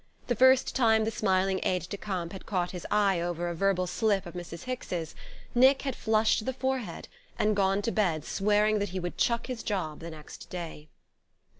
The first time the smiling aide de camp had caught his eye over a verbal slip of Mrs. Hicks's, Nick had flushed to the forehead and gone to bed swearing that he would chuck his job the next day.